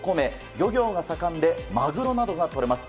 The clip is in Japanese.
漁業が盛んでマグロなどがとれます。